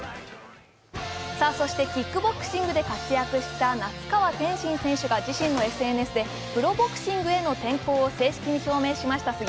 そしてキックボクシングで活躍した那須川天心選手が自身のＳＮＳで、プロボクシングへの転向を正式に表明しました。